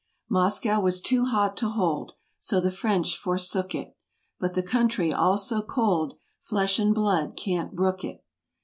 Moscow was too hot to hold, So the French forsook it; But the country all so cold, Flesh and blood can't brook it.